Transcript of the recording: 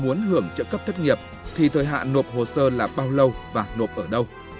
nếu muốn hưởng trợ cấp thất nghiệp thì thời hạn nộp hồ sơ là bao lâu và nộp ở đâu